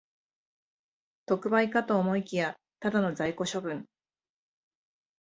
特売かと思いきや、ただの在庫処分